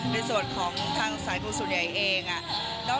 เป็นส่วนของสายพูดสุดใหญ่เอง